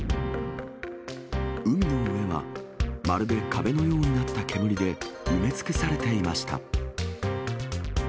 海の上は、まるで壁のようになった煙で埋め尽くされていました。